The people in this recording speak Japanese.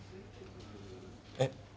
えっ？